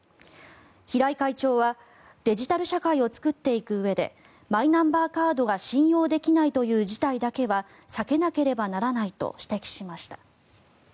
平井会長はデジタル社会を作っていくうえでマイナンバーカードが信用できないという事態だけは避けなければならないと指摘しました。